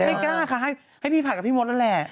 ไม่กล้าค่ะให้พี่ผัดกับพี่มดนั่นแหละ